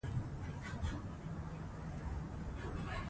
سهار وختي هوا د تنفس لپاره مناسبه وي